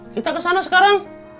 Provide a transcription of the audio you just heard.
kita kesana sekarang